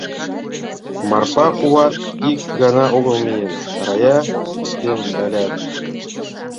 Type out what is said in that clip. Марпа куват ик гана огыл миен, Рая ден Галят...